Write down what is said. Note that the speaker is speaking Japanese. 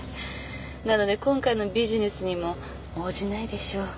なので今回のビジネスにも応じないでしょう。